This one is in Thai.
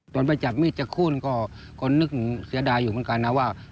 ตอนไปจับมีดจากคู่นก็นึกเหมือนเสียดายอยู่เหมือนกันนะว่า